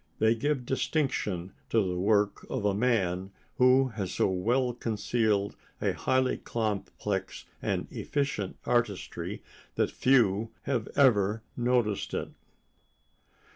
They give distinction to the work of a man who has so well concealed a highly complex and efficient artistry that few have ever noticed it.